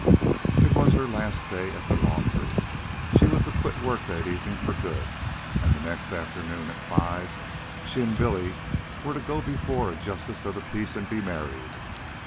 It was her last day at the laundry. She was to quit work that evening for good. And the next afternoon, at five, she and Billy were to go before a justice of the peace and be married.